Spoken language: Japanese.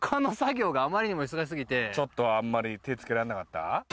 ちょっとあんまり手付けられなかった？